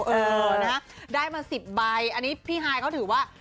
เออนะได้มา๑๐ใบอันนี้พี่ฮายเขาถือว่า